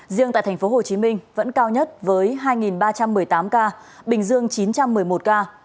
riêng tại tp hcm vẫn cao nhất với hai ba trăm một mươi tám ca bình dương chín trăm một mươi một ca